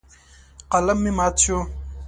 قلم مې مات شو.